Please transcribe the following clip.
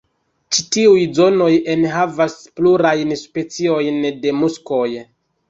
Ĉi tiuj zonoj enhavas plurajn speciojn de muskoj.